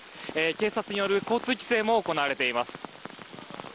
警察による交通規制も行われています。